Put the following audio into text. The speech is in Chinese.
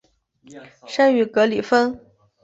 生于格里芬。